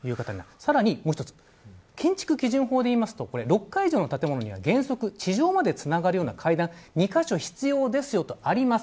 さらに、建築基準法でいうと６階以上の建物には原則、地上までつながる階段が２カ所必要だとあります。